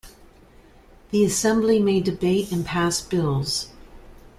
The Assembly may debate and pass bills.